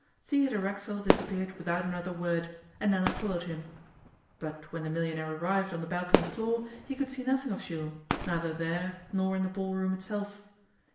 Theodore Racksole disappeared without another word, and Nella followed him. But when the millionaire arrived on the balcony floor he could see nothing of Jules, neither there nor in the ball room itself.